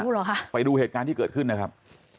เหรอคะไปดูเหตุการณ์ที่เกิดขึ้นนะครับ